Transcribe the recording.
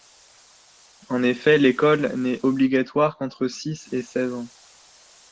En effet l'école n'est obligatoire qu'entre six et seize ans.